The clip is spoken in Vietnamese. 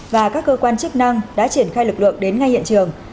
và các cơ quan chức năng đã triển khai lực lượng đến ngay hiện trường